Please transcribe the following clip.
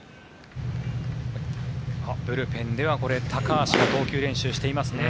ブルペンでは高橋が投球練習をしていますね。